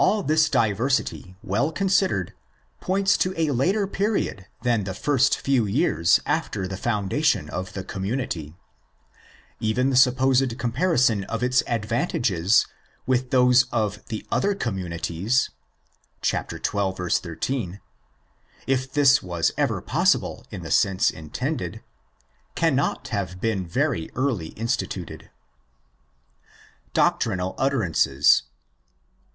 ΑΙ] this diversity, well considered, points to a later period than the first few years after the foundation of the community. Even the supposed THE SECOND EPISTLE 209 comparison of its advantages with those of '' the other communities" (xii. 13)—if this was ever possible in the sense intended—cannot have been very early instituted. Doctrinal Utterances.